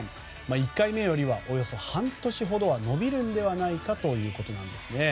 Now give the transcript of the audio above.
１回目よりはおよそ半年ほど延びるのではないかということです。